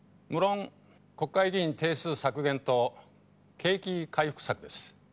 無論国会議員定数削減と景気回復策です。